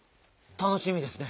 たのしみですね。